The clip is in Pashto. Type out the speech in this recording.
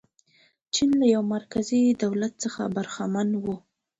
چین له یوه مرکزي دولت څخه برخمن و.